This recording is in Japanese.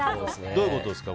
どういうことですか？